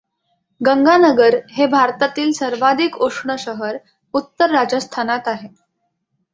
गंगानगर हे भारतातील सर्वाधिक उष्ण शहर उत्तर राजस्थानात आहे.